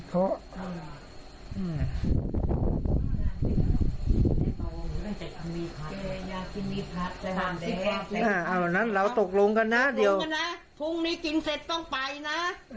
พรุ่งนี้กินเสร็จต้องไปนะ